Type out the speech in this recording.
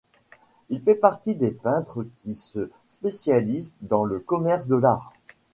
Il fait partie des peintres qui se spécialisent dans le commerce de l'art.